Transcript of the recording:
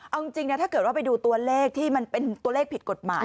เอาจริงถ้าเกิดว่าไปดูตัวเลขที่มันเป็นตัวเลขผิดกฎหมาย